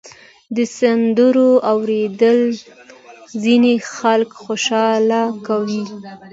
د سندرو اورېدل ځینې خلک خوشحاله کوي.